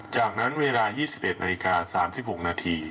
จากนั้นเวลา๒๑นาฬิกา๓๖นาที